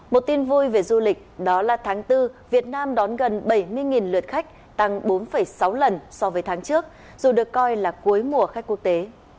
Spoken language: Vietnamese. một tin vui về du lịch đó là tháng bốn việt nam đón gần bảy mươi lượt khách tăng bốn sáu lần so với tháng trước dù được coi là cuối mùa khách quốc tế